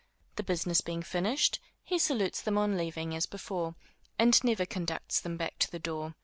The business being finished, he salutes them on leaving, as before, and never conducts them back to the door.